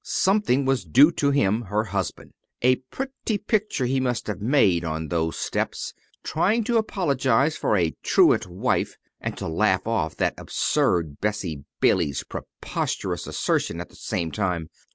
Something was due to him, her husband! A pretty picture he must have made on those steps, trying to apologize for a truant wife, and to laugh off that absurd Bessie Bailey's preposterous assertion at the same time!